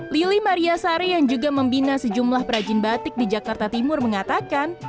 lili maria sari yang juga membina sejumlah perajin batik di jakarta timur mengatakan